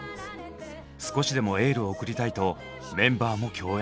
少しでもエールを送りたいとメンバーも共演。